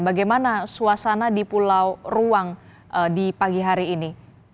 bagaimana suasana di pulau ruang di pagi hari ini